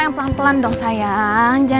kita pelan pelan ya jalannya ya